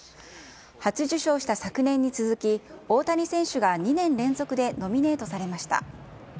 初受賞した昨年に続き、大谷選手が２年連続でノミネートされました。